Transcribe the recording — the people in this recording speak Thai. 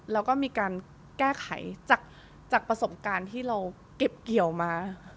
แล้วก็มีการแก้ไขจากประสบการณ์ที่เราเก็บเกี่ยวมา